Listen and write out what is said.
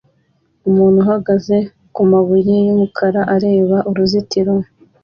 Umuntu uhagaze kumabuye yumukara areba uruzitiro